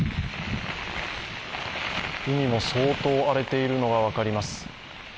海も相当荒れているのが分かります。